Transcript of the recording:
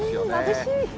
まぶしい。